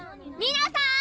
・皆さん！